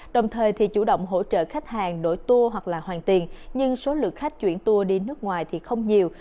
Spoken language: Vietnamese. đồng thời chủ động hỗ trợ khách hàng đổi tour hoặc hoàn tiền nhưng số lượng khách chuyển tour đi nước ngoài không nhiều